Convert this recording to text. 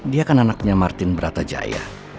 dia kan anaknya martin beratajaya